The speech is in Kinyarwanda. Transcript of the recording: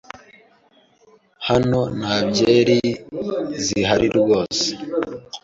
Hano nta byeri zihari rwose.